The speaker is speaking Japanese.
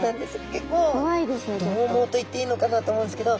結構どうもうと言っていいのかなと思うんですけど